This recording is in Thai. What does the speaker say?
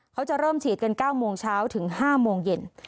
เขาจะเริ่มฉีดกัน๙โมงเช้าถึง๕โมงเย็น